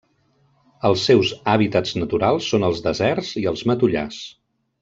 Els seus hàbitats naturals són els deserts i els matollars.